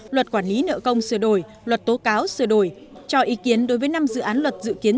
luật quản lý nợ công sửa đổi luật tố cáo sửa đổi cho ý kiến đối với năm dự án luật dự kiến